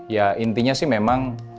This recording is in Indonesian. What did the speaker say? ya intinya sih memang